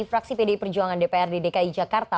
fraksi bd perjuangan dpr di dki jakarta